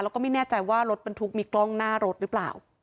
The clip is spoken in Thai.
แล้วก็ไม่แน่ใจว่ารถบรรทุกมีกล้องหน้ารถหรือเปล่า